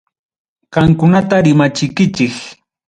Qamkunata rimachikichik.